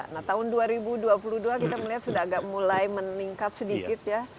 nah tahun dua ribu dua puluh dua kita melihat sudah agak mulai meningkat sedikit ya